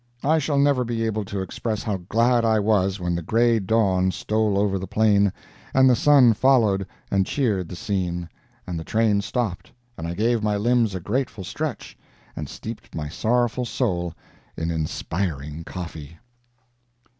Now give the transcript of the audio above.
I shall never be able to express how glad I was when the gray dawn stole over the plain, and the sun followed and cheered the scene, and the train stopped and I gave my limbs a grateful stretch, and steeped my sorrowful soul in inspiring coffee.